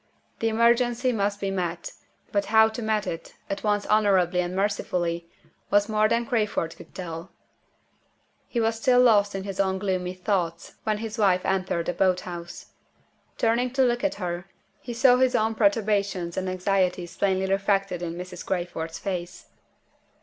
The emergency must be met; but how to meet it at once honorably and mercifully was more than Crayford could tell. He was still lost in his own gloomy thoughts when his wife entered the boat house. Turning to look at her, he saw his own perturbations and anxieties plainly reflected in Mrs. Crayford's face.